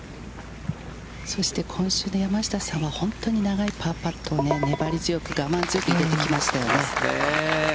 そして今週の山下さんは、本当に長いパーパットを、粘り強く、我慢強く入れてきましたよね。